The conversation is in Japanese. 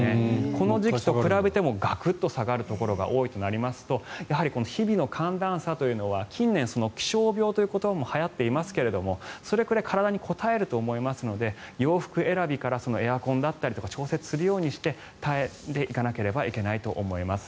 この時期と比べてガクッと下がるところが多いとなりますとやはり日々の寒暖差というのは近年、気象病という言葉もはやっていますがそれくらい体にこたえるとおもいますので洋服選びからエアコンだったり調節するようにして耐えていかなければならないと思います。